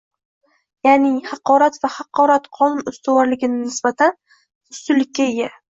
Ya’ni haqorat va haqorat qonun ustuvorligiga nisbatan nisbatan ustunlikka ega